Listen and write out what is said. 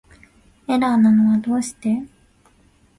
エラーなのはどうして